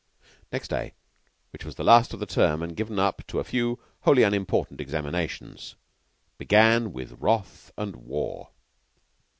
Next day, which was the last of the term and given up to a few wholly unimportant examinations, began with wrath and war.